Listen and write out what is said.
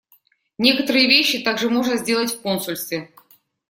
Некоторые вещи также можно сделать в консульстве.